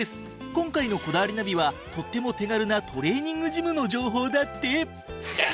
今回の『こだわりナビ』はとっても手軽なトレーニングジムの情報だって。